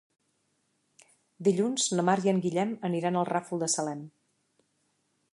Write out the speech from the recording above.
Dilluns na Mar i en Guillem aniran al Ràfol de Salem.